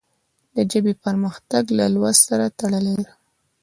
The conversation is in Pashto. د ژبې پرمختګ له لوست سره تړلی دی.